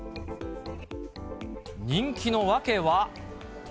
人気の訳は。